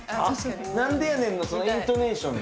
なんでやねんのそのイントネーションで。